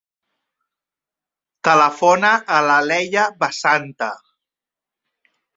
Telefona a la Leia Basanta.